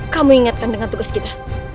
kamu ingatkan dengan tugas kita